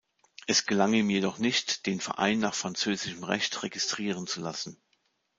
Es gelang ihm jedoch nicht, den Verein nach französischem Recht registrieren zu lassen.